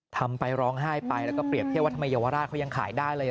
ทำไปร้องไห้ไปแล้วก็เปรียบเทียบว่าทำไมเยาวราชเขายังขายได้เลย